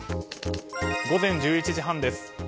午前１１時半です。